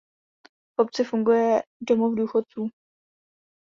V obci funguje domov důchodců.